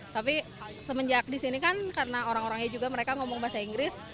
tapi semenjak di sini kan karena orang orangnya juga mereka ngomong bahasa inggris